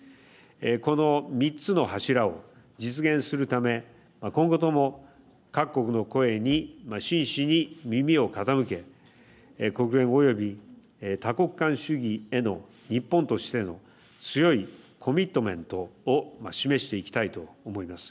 この３つの柱を実現するため今後とも各国の声に真摯に耳を傾け国連及び多国間主義への日本としての強いコミットメントを示していきたいと思います。